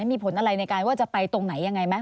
มีผลอะไรในการว่าจะไปตรงไหนยังไงไหม